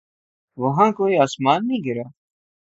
وہاں کوئی آسمان نہیں گرا۔